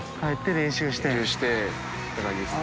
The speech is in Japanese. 練習してって感じですね。